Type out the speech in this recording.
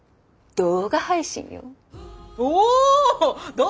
動画配信ね！